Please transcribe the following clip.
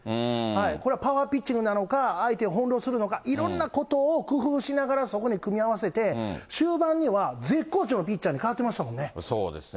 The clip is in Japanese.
これはパワーピッチングなのか、相手を翻弄するのか、いろんなことを工夫しながら、そこに組み合わせて、終盤には絶好調のピッチそうですね。